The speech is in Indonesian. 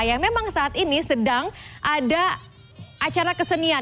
yang memang saat ini sedang ada acara kesenian